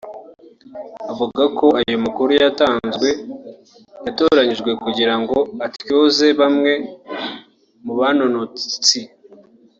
avuga ko ayo makuru yatanzwe yatoranijwe kugirango atyoze bamwe mu banonotsi